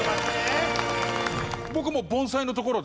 僕も盆栽のところで。